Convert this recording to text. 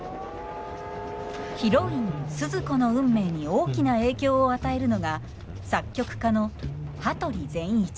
ヒロインスズ子の運命に大きな影響を与えるのが作曲家の羽鳥善一。